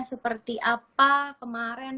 seperti apa kemarin